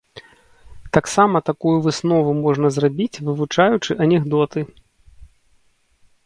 Таксама такую выснову можна зрабіць вывучаючы анекдоты.